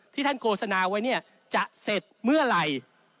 ที่ท่านโกสนาไว้จะเสร็จเมื่อไหร่